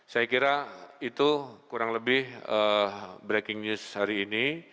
saya kira itu kurang lebih breaking news hari ini